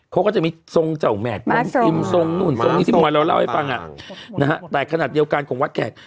เขาก็จะมีทรงเจ้าแม่ทรงอิมทรงนู่นทรงอิสมวันเราเล่าให้ฟังอะแต่ขนาดเดียวกันของวัดแขก